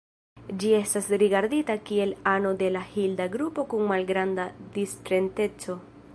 Ĝi estas rigardita kiel ano de la Hilda grupo kun malgranda discentreco.